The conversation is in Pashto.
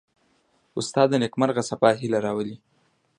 استاد د نیکمرغه سبا هیله راولي.